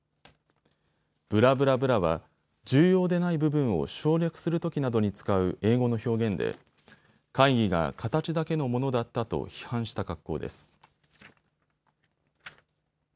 ブラ・ブラ・ブラは重要でない部分を省略するときなどに使う英語の表現で会議が形だけのものだったと批判した格好です。